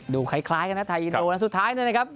ดูคล้ายค่ะนะไทยอีโดนักสุดท้ายนะครับ